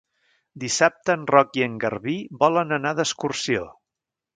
Dissabte en Roc i en Garbí volen anar d'excursió.